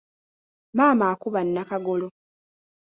Maama akuba Nnakagolo.